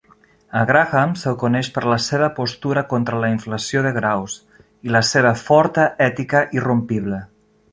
A Graham se'l coneix per la seva postura contra la inflació de graus i la seva forta ètica irrompible.